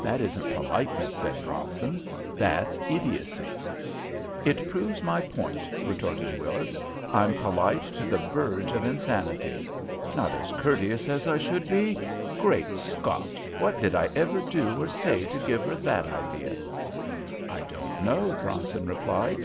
"That isn't politeness," said Bronson. "That's idiocy." "It proves my point," retorted Willis. "I'm polite to the verge of insanity. Not as courteous as I should be! Great Scott! What did I ever do or say to give her that idea?" "I don't know," Bronson replied.